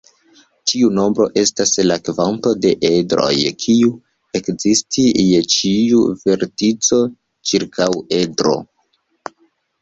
Ĉiu nombro estas la kvanto de edroj kiu ekzisti je ĉiu vertico ĉirkaŭ edro.